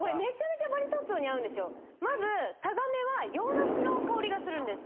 まずタガメは洋梨の香りがするんです。